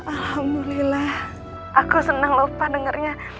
alhamdulillah aku senang lupa dengarnya